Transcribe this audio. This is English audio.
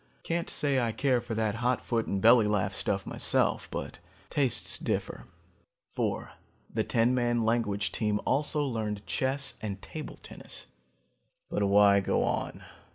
Can't say I care for that hot foot and belly laugh stuff myself, but tastes differ. "Four, the ten man language team also learned chess and table tennis. "But why go on?